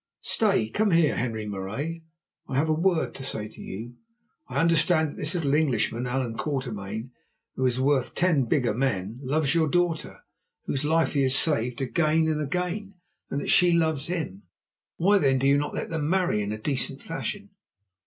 Stay; come here, Henri Marais; I have a word to say to you. I understand that this little Englishman, Allan Quatermain, who is worth ten bigger men, loves your daughter, whose life he has saved again and again, and that she loves him. Why, then, do you not let them marry in a decent fashion?"